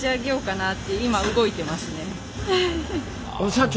社長